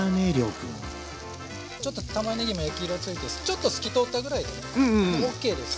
ちょっとたまねぎも焼き色ついてちょっと透き通ったぐらいでねもうＯＫです。